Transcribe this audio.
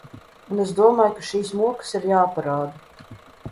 Un es domāju, ka šīs mokas ir jāparāda.